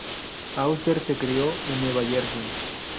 Auster se crio en Nueva Jersey.